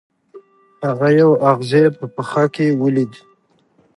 هغه یو اغزی په پښه کې ولید.